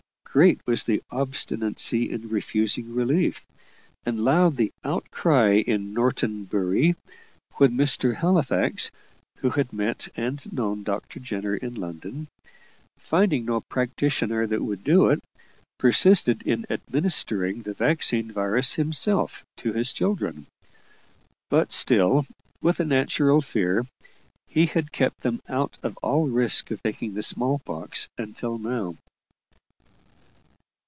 Great was the obstinacy in refusing relief; and loud the outcry in Norton Bury, when Mr. Halifax, who had met and known Dr. Jenner in London finding no practitioner that would do it, persisted in administering the vaccine virus himself to his children. But still, with a natural fear, he had kept them out of all risk of taking the small pox until now.